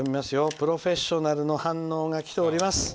「プロフェッショナル」の反応がきております。